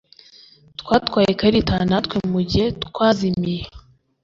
twatwaye ikarita natwe mugihe twazimiye